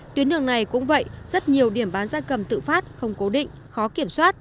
tuyến đường này cũng vậy rất nhiều điểm bán gia cầm tự phát không cố định khó kiểm soát